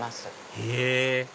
へぇ！